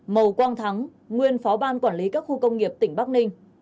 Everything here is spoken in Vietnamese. màu quang thắng nguyên phó ban quản lý các khu công nghiệp tỉnh bắc ninh